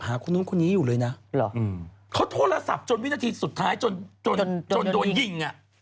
คนนู้นคนนี้อยู่เลยนะเขาโทรศัพท์จนวินาทีสุดท้ายจนจนโดนยิงอ่ะ